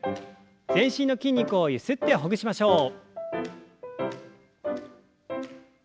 全身の筋肉をゆすってほぐしましょう。